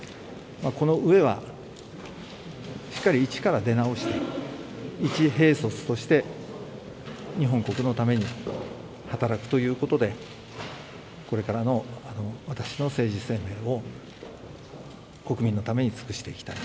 このうえはしっかり一から出直して一兵卒として日本国のために働くということでこれからの私の政治生命を国民のために尽くしていきたい。